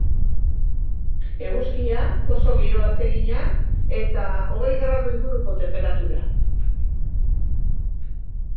Eguzkia, oso giro atsegina, eta hogei gradu inguruko tenperatura.